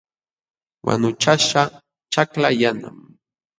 Wanuchaśhqa ćhakla yanam.